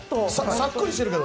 さっくりしてるけど。